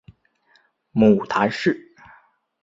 母谈氏。